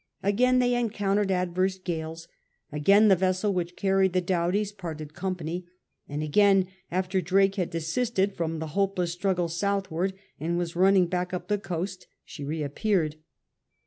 Again they encountered adverse gales, again the vessel which carried the Doughties parted company, and again, after Drake had desisted from the hopeless struggle southward and was running back up the coast, she reappeared.